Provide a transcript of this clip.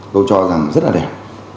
tôi cho rằng rất là đẹp